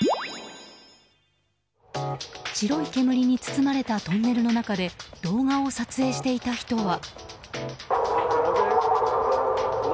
白い煙に包まれたトンネルの中で動画を撮影していた人は。